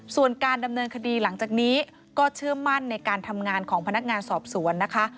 ส่วนการดำเนินคดีหลังจากนี้ก็เชื่อมั่นในการทำงานของพนักงานสอบสวนนะคะ